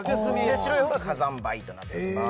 白い方が火山灰となっております